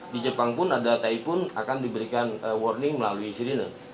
di jepang pun ada tai pun akan diberikan warning melalui sirine